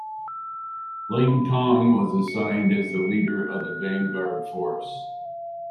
Ling Tong was assigned as the leader of the vanguard force.